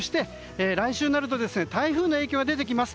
来週になると台風の影響が出てきます。